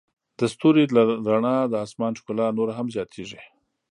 د ستوري له رڼا د آسمان ښکلا نوره هم زیاتیږي.